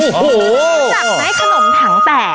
รู้จักไหมขนมถังแตก